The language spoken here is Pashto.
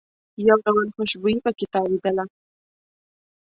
یو ډول خوشبويي په کې تاوېدله.